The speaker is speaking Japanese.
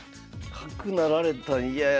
角成られたん嫌やな。